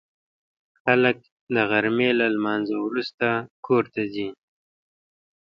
خلک د غرمې له لمانځه وروسته کور ته ځي